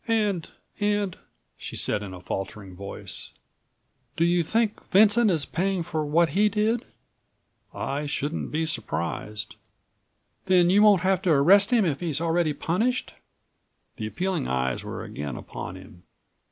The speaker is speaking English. "And—and"—she said in a faltering voice—"do you think Vincent is paying for what he did?" "I shouldn't be surprised." "Then you won't have to arrest him if he's already punished?" The appealing eyes were again upon him.